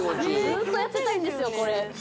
ずっとやってたいんですよ